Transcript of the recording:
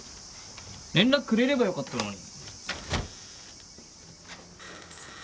連絡くれればよかったのに。